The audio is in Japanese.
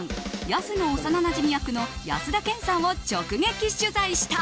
ヤスの幼なじみ役の安田顕さんを直撃取材した。